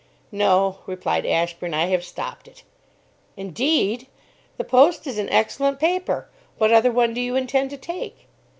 "No," replied Ashburn. "I have stopped it." "Indeed! The Post is an excellent paper. What other one do you intend to take?"